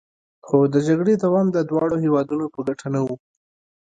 خو د جګړې دوام د دواړو هیوادونو په ګټه نه و